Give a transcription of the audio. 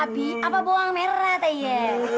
abi apa bawang merah teh ya